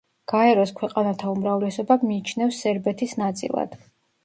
გაერო-ს ქვეყანათა უმრავლესობა მიიჩნევს სერბეთის ნაწილად.